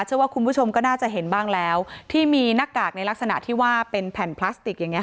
เชื่อว่าคุณผู้ชมก็น่าจะเห็นบ้างแล้วที่มีหน้ากากในลักษณะที่ว่าเป็นแผ่นพลาสติกอย่างเง